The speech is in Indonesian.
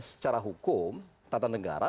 secara hukum tata negara